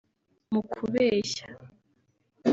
mu kubeshya